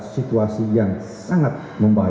situasi yang sangat berbahaya